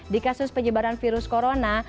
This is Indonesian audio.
di kasus penyebaran virus corona